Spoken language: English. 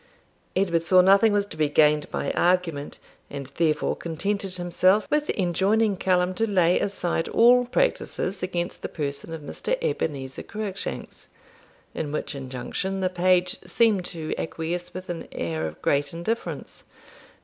Edward saw nothing was to be gained by argument, and therefore contented himself with enjoining Callum to lay aside all practices against the person of Mr. Ebenezer Cruickshanks; in which injunction the page seemed to acquiesce with an air of great indifference.